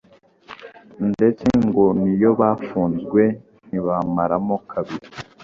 ndetse ngo n’ iyo bafunzwe ntibamaramo kabiri